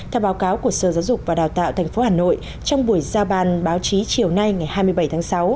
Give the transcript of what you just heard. theo báo cáo của sở giáo dục và đào tạo tp hà nội trong buổi ra bàn báo chí chiều nay ngày hai mươi bảy tháng sáu